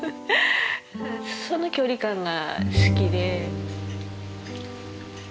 その距離感が好きで。